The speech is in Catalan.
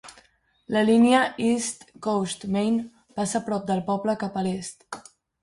La línia East Coast Main passa prop del poble cap a l'est.